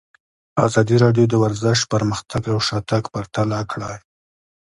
ازادي راډیو د ورزش پرمختګ او شاتګ پرتله کړی.